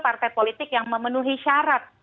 partai politik yang memenuhi syarat